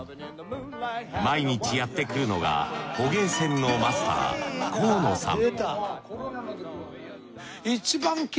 毎日やってくるのが捕鯨舩のマスター河野さん